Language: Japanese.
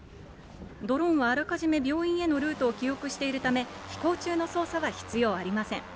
ドローンはあらかじめ病院へのルートを記憶しているため、飛行中の操作は必要ありません。